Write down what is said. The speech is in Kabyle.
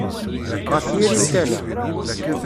Ɣef yiri n tala.